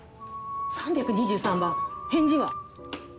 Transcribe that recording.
３２３番返事は。